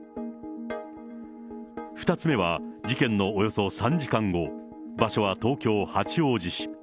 ２つ目は事件のおよそ３時間後、場所は東京・八王子市。